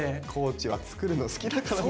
地は作るの好きだからな。